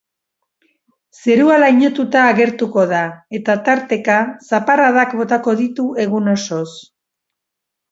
Zerua lainotuta agertuko da, eta tarteka zaparradak botako ditu egun osoz.